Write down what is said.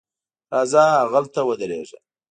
راځه هغلته ودرېږه.